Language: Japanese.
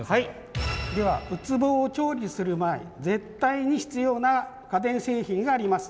ではウツボを調理する前絶対に必要な家電製品があります。